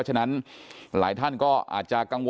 ก็คือเป็นการสร้างภูมิต้านทานหมู่ทั่วโลกด้วยค่ะ